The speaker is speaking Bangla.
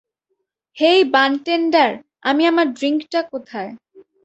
হেই বান্টেনডার, আমি আমার ড্রিংকটা কোথায়।